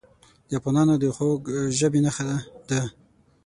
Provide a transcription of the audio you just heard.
د افغانانو د خوږ ژبۍ نښه ده.